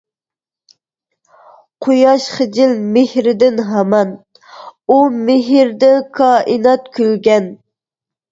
قۇياش خىجىل مېھرىدىن ھامان، ئۇ مېھرىدىن كائىنات كۈلگەن.